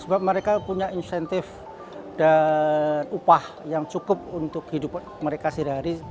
sebab mereka punya insentif dan upah yang cukup untuk hidup mereka sehari hari